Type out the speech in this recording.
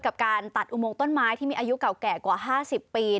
กับการตัดอุโมงต้นไม้ที่มีอายุเก่าแก่กว่า๕๐ปี